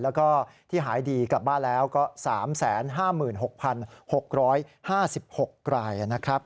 แล้วก็ที่หายดีกลับบ้านแล้วก็๓๕๖๖๕๖รายนะครับ